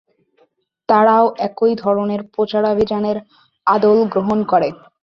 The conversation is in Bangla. তারাও একই ধরনের প্রচারাভিযানের আদল গ্রহণ করে।